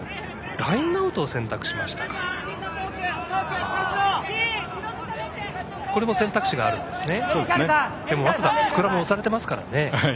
ラインアウトを選択しましたね。